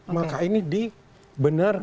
maka ini dibenarkan